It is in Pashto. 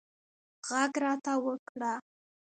غږ راته وکړه